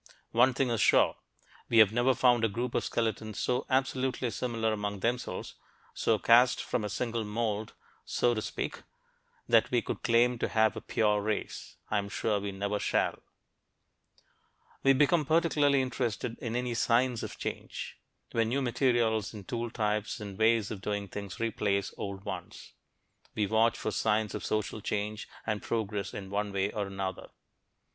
One thing is sure. We have never found a group of skeletons so absolutely similar among themselves so cast from a single mould, so to speak that we could claim to have a "pure" race. I am sure we never shall. We become particularly interested in any signs of change when new materials and tool types and ways of doing things replace old ones. We watch for signs of social change and progress in one way or another.